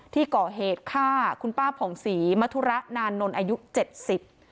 ที่ก่อเหตุฆ่าคุณป้าผ่องศรีมธุระนานนท์อายุเจ็ดสิบ